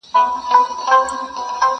مېنه به تشه له میړونو وي سیالان به نه وي!!